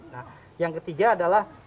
nah yang ketiga adalah